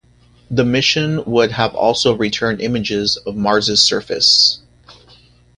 The mission would have also returned images of Mars' surface.